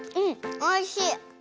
おいしい！